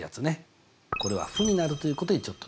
これは負になるということにちょっとね